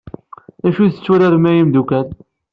D acu i t-tturarem ay imdukal?